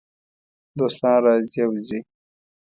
دوستان راځي او ځي .